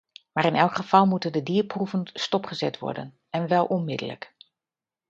Maar in elk geval moeten de dierproeven stopgezet worden - en wel onmiddellijk!